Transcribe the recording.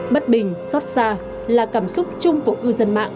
bất bình xót xa là cảm xúc chung của cư dân mạng